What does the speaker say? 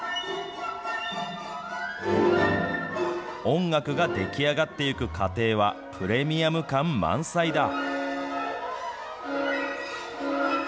音楽が出来上がっていく過程は、プレミアム感満載だ。